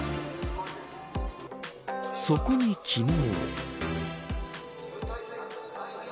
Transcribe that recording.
そこに昨日。